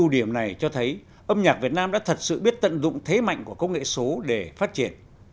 điểm này cho thấy âm nhạc việt nam đã thật sự biết tận dụng thế mạnh của công nghệ số để phát triển